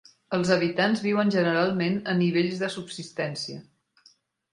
Els habitants viuen generalment a nivells de subsistència.